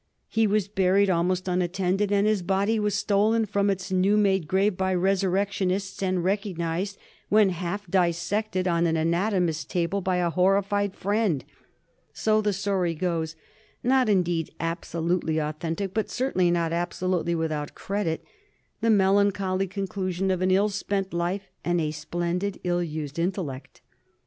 He was buried almost unattended, and his body was stolen from its new made grave by resurrectionists, and recognized, when half dis sected, on an anatomist's table by a horrified friend. So the story goes — not, indeed, absolutely authentic, but cer tainly not absolutely without credit — the melancholy con clusion of an ill spent life and a splendid, ill used intellect.